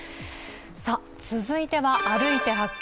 続いては「歩いて発見！